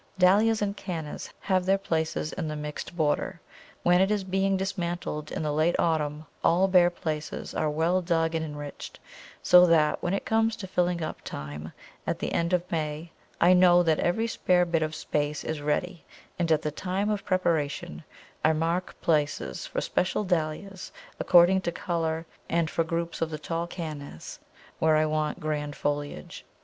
Dahlias and Cannas have their places in the mixed border. When it is being dismantled in the late autumn all bare places are well dug and enriched, so that when it comes to filling up time, at the end of May, I know that every spare bit of space is ready and at the time of preparation I mark places for special Dahlias, according to colour, and for groups of the tall Cannas where I want grand foliage.